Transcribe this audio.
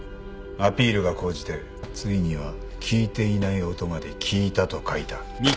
アピールが高じてついには聞いていない音まで聞いたと書いた。